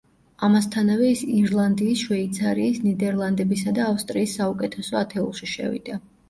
ამასთანავე ის ირლანდიის, შვეიცარიის, ნიდერლანდებისა და ავსტრიის საუკეთესო ათეულში შევიდა.